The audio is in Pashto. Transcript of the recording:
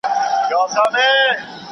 پانډا 🐼